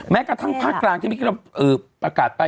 แม้กระทั่งภาคจารย์ที่นี้เกิดเราปรากฏไป